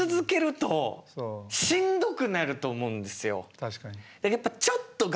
確かに。